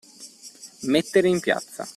Mettere in piazza.